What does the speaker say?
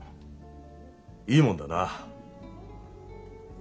いいもんだな。